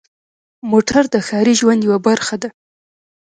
موټر د ښاري ژوند یوه برخه ده.